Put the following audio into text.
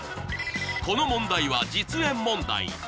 この問題は実演問題。